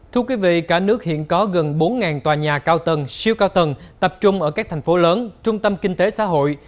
thưa quý vị cả nước hiện có gần bốn tòa nhà cao tầng siêu cao tầng tập trung ở các thành phố lớn trung tâm kinh tế xã hội